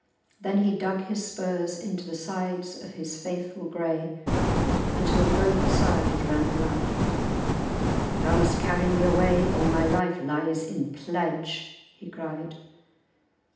Then he dug his spurs into the sides of his faithful grey, until both the sides ran blood. "Thou must carry me away, or my life lies in pledge," he cried.